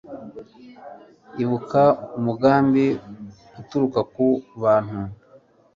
ibuka umugambi uturuka ku bantu